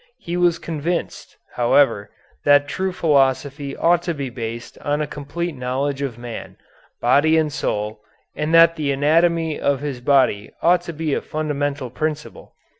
He was convinced, however, that true philosophy ought to be based on a complete knowledge of man, body and soul, and that the anatomy of his body ought to be a fundamental principle.